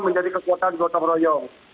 menjadi kekuatan gotong royong